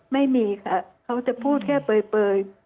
ไม่มีค่ะเขาจะพูดแค่เปลย